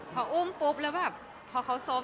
พออุ้มปุ๊บแล้วแบบพอเขาซบ